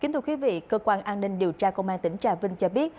kính thưa quý vị cơ quan an ninh điều tra công an tỉnh trà vinh cho biết